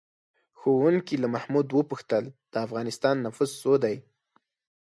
ښوونکي له محمود وپوښتل: د افغانستان نفوس څو دی؟